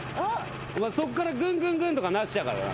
そこからグングングンとかなしやからな。